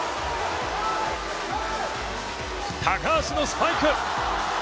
高橋のスパイク！